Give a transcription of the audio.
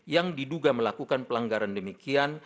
yang diduga melakukan pelanggaran demikian